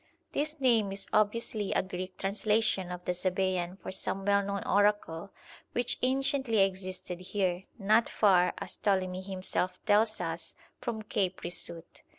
This name is obviously a Greek translation of the Sabæan for some well known oracle which anciently existed here, not far, as Ptolemy himself tells us, from Cape Risout.